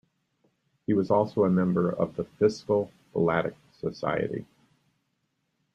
He was also a member of the Fiscal Philatelic Society.